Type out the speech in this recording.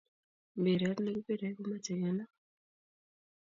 Mpiret ne kipire komache kenap